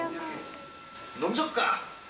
飲んじゃおっか。